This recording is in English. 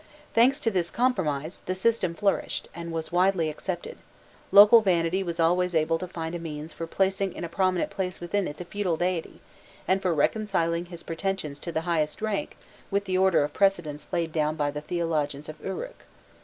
Thanks to this compromise, the system flourished, and was widely accepted: local vanity was always able to find a means for placing in a prominent place within it the feudal deity, and for reconciling his pretensions to the highest rank with the order of precedence laid down by the theologians of Uruk.